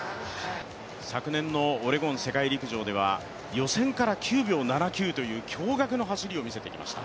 昨年のオレゴン世界陸上では予選から９秒７９という驚がくの走りを見せていました。